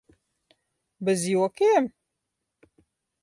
Bez jokiem?